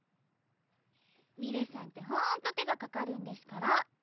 エヘヘッミレさんってほんと手がかかるんですから。